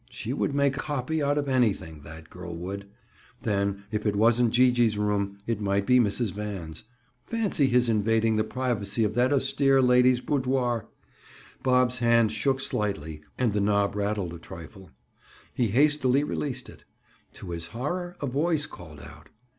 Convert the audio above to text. She would make "copy" out of anything, that girl would. Then, if it wasn't Gee gee's room, it might be Mrs. Van's. Fancy his invading the privacy of that austere lady's boudoir! Bob's hand shook slightly and the knob rattled a trifle; he hastily released it. To his horror a voice called out.